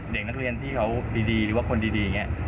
เด็กนักเรียนที่เขาดีหรือว่าคนดีอย่างนี้